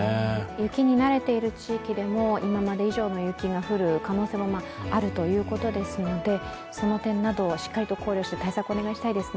雪に慣れている地域でも今まで以上の雪が降る可能性もあるということですので、その点などをしっかりと考慮して対策をお願いしたいですね。